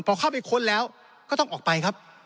พอเข้าไปค้นแล้วก็ต้องออกไปครับ